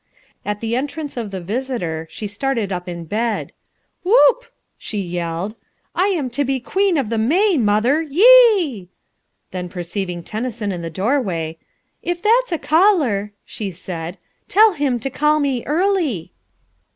At the entrance of the visitor she started up in bed. "Whoop," she yelled, "I am to be Queen of the May, mother, ye e!" Then perceiving Tennyson in the doorway, "If that's a caller," she said, "tell him to call me early."